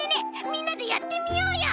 みんなでやってみようよ！